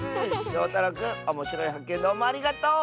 しょうたろうくんおもしろいはっけんどうもありがとう！